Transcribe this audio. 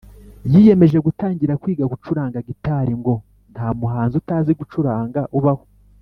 yiyemeje gutangira kwiga gucuranga guitar ngo ntamuhanzi utazi gucuranga ubaho